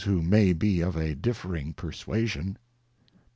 who may be of a differing Persuasion.